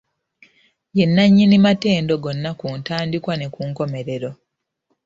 Ye nnanyini matendo gonna ku ntandikwa ne ku nkomerero.